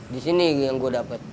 di sini yang gue dapat